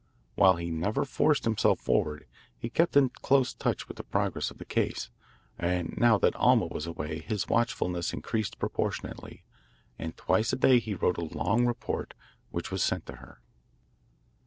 While he never forced himself forward, he kept in close touch with the progress of the case, and now that Alma was away his watchfulness increased proportionately, and twice a day he wrote a long report which was sent to her.